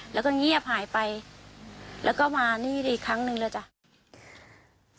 แล้วก็เงียบหายไปแล้วก็มานี่อีกครั้งหนึ่งเลยจ้ะ